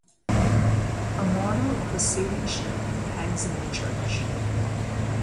A model of a sailing ship hangs in the church.